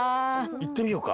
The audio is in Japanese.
いってみようか。